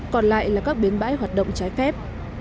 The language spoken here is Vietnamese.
còn lại là các bến bãi hoạt động trái phép